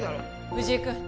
藤井君